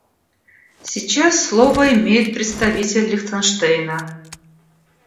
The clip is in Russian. Сейчас слово имеет представитель Лихтенштейна.